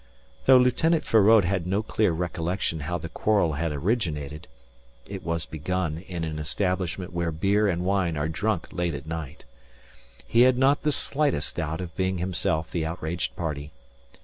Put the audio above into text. Though Lieutenant Feraud had no clear recollection how the quarrel had originated (it was begun in an establishment where beer and wine are drunk late at night), he had not the slightest doubt of being himself the outraged party.